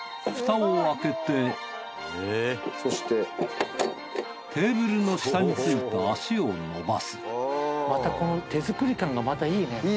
フタを開けてテーブルの下についた脚を伸ばすまたこの手作り感がまたいいね。